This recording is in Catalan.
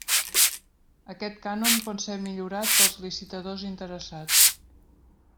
Aquest cànon pot ser millorat pels licitadors interessats.